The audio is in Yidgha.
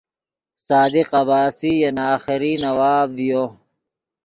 صادق عباسی ین آخری نواب ڤیو